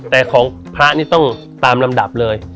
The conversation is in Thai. แต่ของพระนี่ต้องตามลำดับเลย